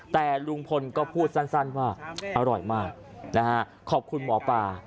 แต่ลุงพลก็พูดสั้นว่าอร่อยมากนะฮะขอบคุณหมอปลา